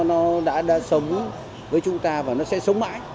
nó đã sống với chúng ta và nó sẽ sống mãi